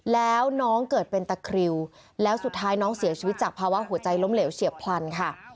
แล้วน้องเกิดเป็นตะคริวแล้วสุดท้ายน้องเสียชีวิตจากภาวะหัวใจล้มเหลวเฉียบพลันค่ะ